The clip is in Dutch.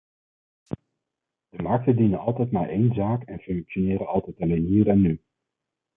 De markten dienen altijd maar één zaak en functioneren altijd alleen hier en nu.